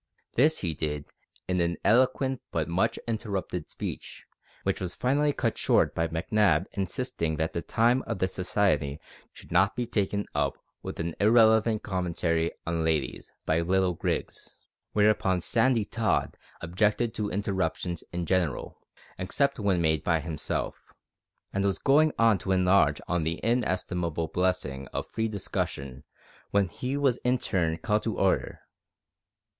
This he did in an eloquent but much interrupted speech, which was finally cut short by Macnab insisting that the time of the Society should not be taken up with an irrelevant commentary on ladies by little Grigs; whereupon Sandy Tod objected to interruptions in general except when made by himself and was going on to enlarge on the inestimable blessing of free discussion when he was in turn called to order.